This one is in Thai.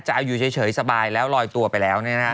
จะเอาอยู่เฉยสบายแล้วลอยตัวไปแล้ว